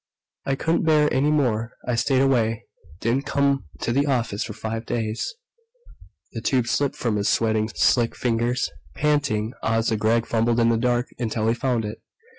I couldn't bear any more. I stayed away didn't come to the office for five days." The tube slipped from his sweating, slick fingers. Panting, Asa Gregg fumbled in the dark until he found it.